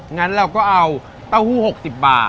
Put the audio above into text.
งั้นเราก็เอาเต้าหู้๖๐บาท